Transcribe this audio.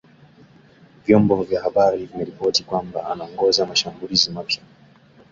Vyombo vya habari vimeripoti kwamba anaongoza mashambulizi mapya